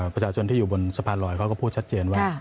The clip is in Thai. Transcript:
ประชาชนที่อยู่บนสะพานลอยเขาก็พูดชัดเจนว่า